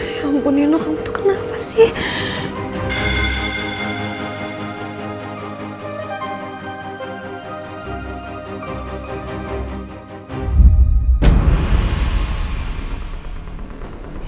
ya ampun nino kamu tuh kenapa sih